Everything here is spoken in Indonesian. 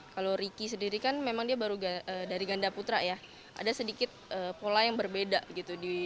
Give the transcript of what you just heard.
kalau ricky sendiri kan memang dia baru dari ganda putra ya ada sedikit pola yang berbeda gitu